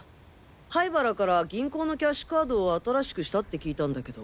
灰原から銀行のキャッシュカードを新しくしたって聞いたんだけど。